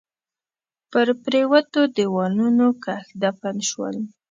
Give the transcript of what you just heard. په پريوتو ديوالونو کښ دفن شول